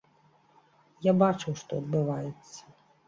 Я бачыў, што адбываецца.